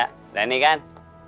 udah nih kan